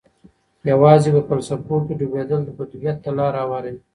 يوازې په فلسفو کي ډوبېدل بدويت ته لاره هواروي.